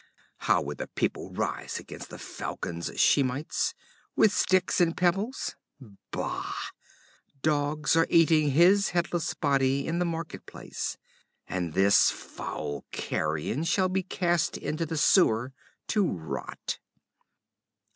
How would the people rise against the Falcon's Shemites? With sticks and pebbles? Bah! Dogs are eating his headless body in the market place, and this foul carrion shall be cast into the sewer to rot.